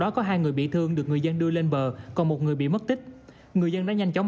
có hai người bị thương được người dân đưa lên bờ còn một người bị mất tích người dân đã nhanh chóng